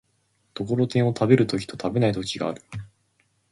ところてんを食べる時と食べない時がある。